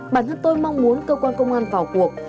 bản thân tôi mong muốn cơ quan công an vào cuộc